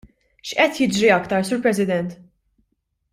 X'qed jiġri aktar, Sur President?